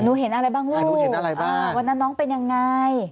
เห็นอะไรบ้างลูกวันนั้นน้องเป็นยังไง